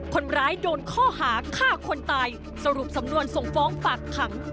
คนร้ายโดนข้อหาฆ่าคนตายสรุปสำนวนส่งฟ้องฝากขัง